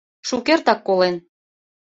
— Шукертак колен.